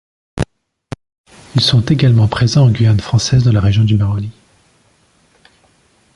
Ils sont également présents en Guyane française dans la région du Maroni.